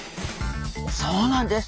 そうなんです。